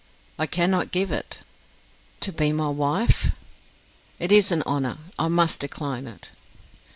"I cannot give it." "To be my wife!" "It is an honour; I must decline it."